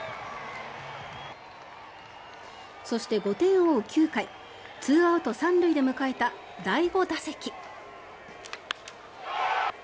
そして、５点を追う９回２アウト３塁で迎えた第５打席。